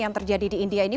yang terjadi di india ini